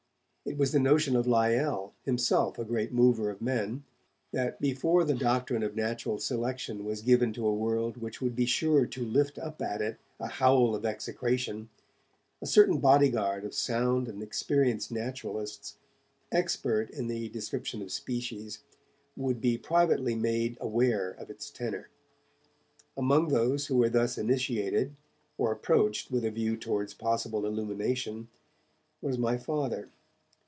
It was the notion of Lyell, himself a great mover of men, that, before the doctrine of natural selection was given to a world which would be sure to lift up at it a howl of execration, a certain bodyguard of sound and experienced naturalists, expert in the description of species, should be privately made aware of its tenor. Among those who were thus initiated, or approached with a view towards possible illumination, was my Father.